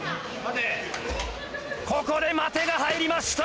ここで待てが入りました。